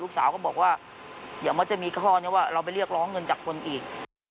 สาวก็บอกว่าเดี๋ยวมันจะมีข้อนี้ว่าเราไปเรียกร้องเงินจากคนอีก